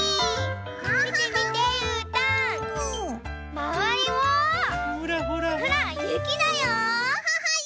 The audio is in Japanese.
まわりもほらゆきだよ！